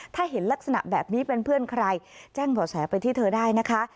ถ้าเห็นลักษณะแบบนี้เป็นเพื่อนใครแจ้งบ่อแสไปที่เธอได้นะคะ